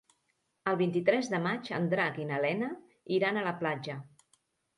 El vint-i-tres de maig en Drac i na Lena iran a la platja.